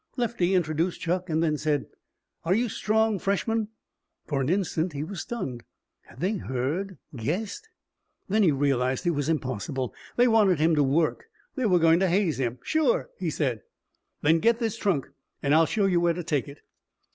Lefty introduced Chuck and then said: "Are you strong, freshman?" For an instant he was stunned. Had they heard, guessed? Then he realized it was impossible. They wanted him to work. They were going to haze him. "Sure," he said. "Then get this trunk and I'll show you where to take it."